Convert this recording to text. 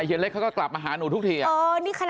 เฮเล็กก็กลับมาหาหนูทุกที